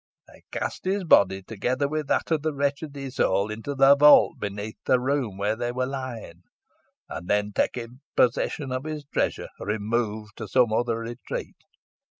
They cast his body, together with that of the wretched Isole, into the vault beneath the room where they were lying, and then, taking possession of his treasure, removed to some other retreat.